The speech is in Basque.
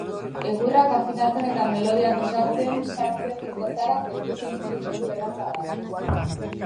Egurrak afinatzen eta melodiak osatzen sartzen ez bazara, perkusio instrumentu erraza da.